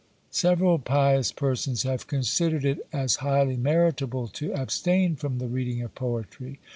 Several pious persons have considered it as highly meritable to abstain from the reading of poetry!